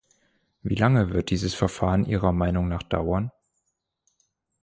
Wie lange wird dieses Verfahren Ihrer Meinung nach dauern?